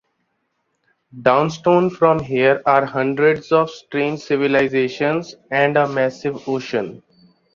Downstone from here are hundreds of strange civilisations and a massive ocean.